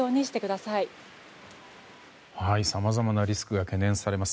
さまざまなリスクが懸念されます。